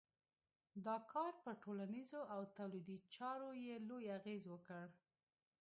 دا کار پر ټولنیزو او تولیدي چارو یې لوی اغېز وکړ.